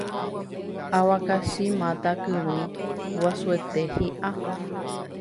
avakachi máta kyrỹi guasuete hi'a